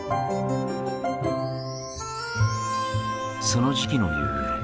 その時期の夕暮れ。